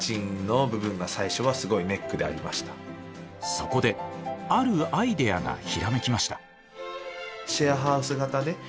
そこであるアイデアがひらめきました。